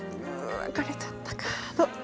別れちゃったか。